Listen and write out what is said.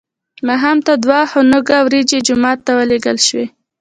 ماښام ته دوه خانکه وریجې جومات ته ولېږل شوې.